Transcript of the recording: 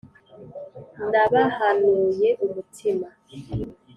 nabahanuye umutima